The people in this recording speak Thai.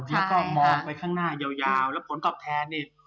แล้วก็มองไปข้างหน้ายาวแล้วผลตอบแทนนี่